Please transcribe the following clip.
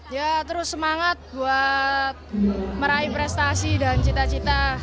ya terus semangat buat meraih prestasi dan cita cita